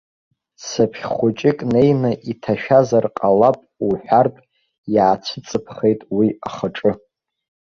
Цыԥхь хәыҷык неины иҭашәазар ҟалап уҳәартә иаацәыҵԥхеит уи ахаҿы.